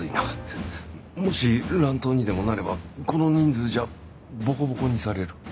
もし乱闘にでもなればこの人数じゃボコボコにされる